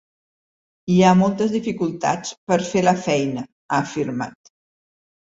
Hi ha moltes dificultats per fer la feina, ha afirmat.